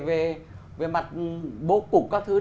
về mặt bố cục các thứ